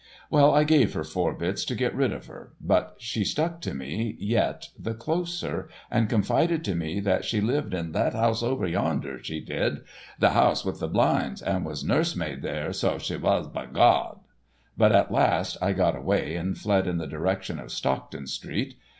Well, I gave her four bits to get rid of her, but she stuck to me yet the closer, and confided to me that she lived in that house over yonder, she did—the house with the blinds, and was nurse maid there, so she was, b'Gawd. But at last I got away and fled in the direction of Stockton street.